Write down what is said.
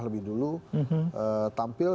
lebih dulu tampil